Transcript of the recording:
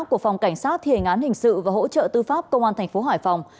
của phòng cảnh sát thể ngán hình sự và hỗ trợ tư pháp công an thành phố hải phòng